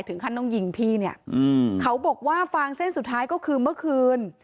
ถึงขั้นต้องยิงพี่เนี่ยเขาบอกว่าฟางเส้นสุดท้ายก็คือเมื่อคืน